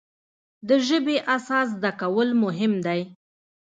د ژبې اساس زده کول مهم دی.